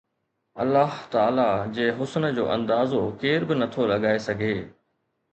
الله تعاليٰ جي حسن جو اندازو ڪير به نٿو لڳائي سگهي